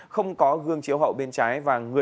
không có gương chiếu hậu bên trái